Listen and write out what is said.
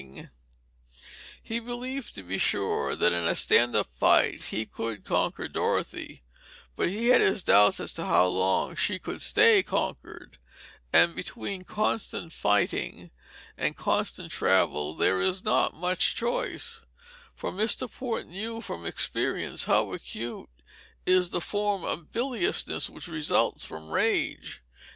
[Illustration: Page 67 084] He believed, to be sure, that in a stand up fight he could conquer Dorothy; but he had his doubts as to how long she would stay conquered and between constant fighting and constant travel there is not much choice; for Mr. Port knew from experience how acute is that form of biliousness which results from rage.